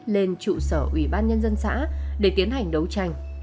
lên trụ sở ủy ban nhân dân xã để tiến hành đấu tranh